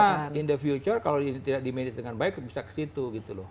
karena in the future kalau ini tidak di medis dengan baik bisa ke situ gitu loh